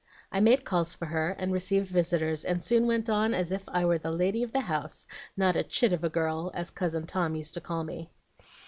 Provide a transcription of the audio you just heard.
I made calls for her, and received visitors, and soon went on as if I were the lady of the house, not 'a chit of a girl,' as Cousin Tom used to call me.